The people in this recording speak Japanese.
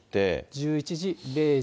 １１時、０時。